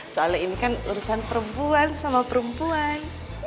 soalnya ini kan urusan perempuan sama perempuan